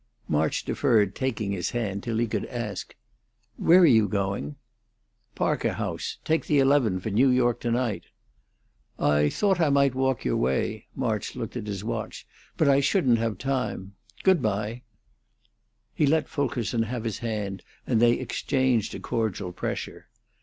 March deferred taking his hand till he could ask, "Where are you going?" "Parker House. Take the eleven for New York to night." "I thought I might walk your way." March looked at his watch. "But I shouldn't have time. Goodbye!" He now let Fulkerson have his hand, and they exchanged a cordial pressure.